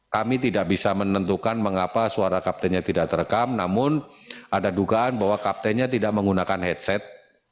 kami tidak bisa menentukan mengapa suara kaptennya tidak terekam namun ada dugaan bahwa kaptennya tidak menggunakan headset